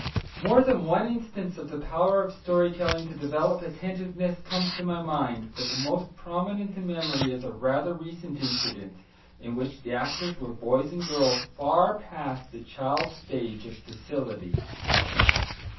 More than one instance of the power of story telling to develop attentiveness comes to my mind, but the most prominent in memory is a rather recent incident, in which the actors were boys and girls far past the child stage of docility.